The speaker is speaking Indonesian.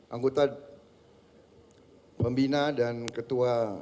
anggota pembina dan ketua dpr ri